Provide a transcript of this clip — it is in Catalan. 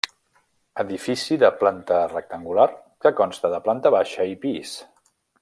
Edifici de planta rectangular que consta de planta baixa i pis.